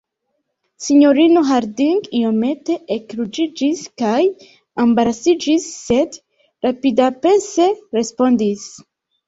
Sinjorino Harding iomete ekruĝiĝis kaj embarasiĝis, sed rapidapense respondis: